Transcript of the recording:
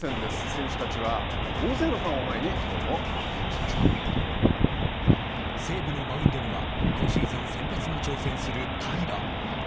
選手たちは大勢のファンを前に西武のマウンドには今シーズン先発に挑戦する平良。